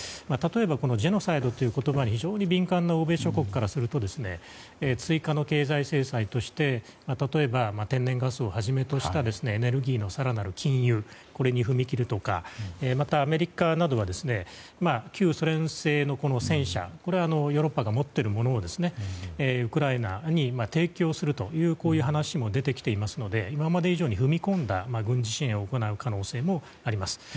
例えばジェノサイドという言葉に非常に敏感な欧米諸国からすると追加の経済制裁として例えば、天然ガスをはじめとしたエネルギーの更なる禁輸に踏み切るとかまた、アメリカなどは旧ソ連製の戦車ヨーロッパが持っているものをウクライナに提供するという話も出てきているので今まで以上に踏み込んだ軍事支援を行う可能性もあります。